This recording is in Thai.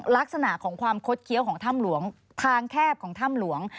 ลักษณะของความคดเคี้ยวของถ้ำหลวงทางแคบของถ้ำหลวง